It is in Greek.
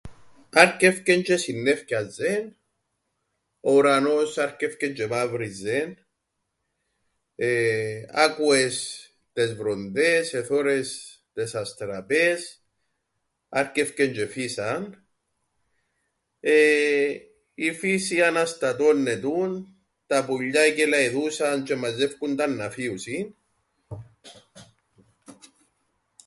Άρκεφκεν τζ̆αι εσυννέφκιαζεν, ο ουρανός άρκεφκεν τζ̆αι εμαύριζεν εεε... άκουες τες βροντές εθώρες τες αστραπές άρκεφκεν τζ̆αι εφύσαν εεε... η φύση αναστατώννετουν, τα πουλιά εκελαηδούσαν τζ̆αι εμαζεύκουνταν να φύουσιν.